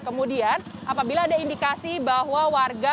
kemudian apabila ada indikasi bahwa warga